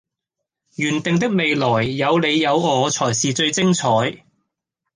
原定的未來有你有我才是最精彩